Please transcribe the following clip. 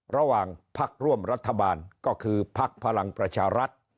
ระหว่างพักร่วมรัฐบาลก็คือภักดิ์พลังประชารัฐ